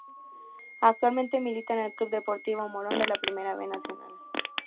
Actualmente milita en el Club Deportivo Moron de la Primera B Nacional.